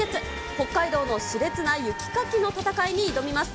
北海道のしれつな雪かきの戦いに挑みます。